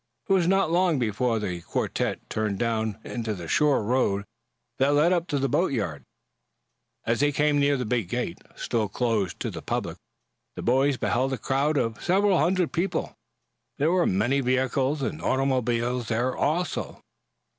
It was not long before the quartette turned down into the shore road that led up to the boatyard. As they came near the big gate, still closed to the public, the boys beheld a crowd of several Hundred people. There were many vehicles and automobiles there, also.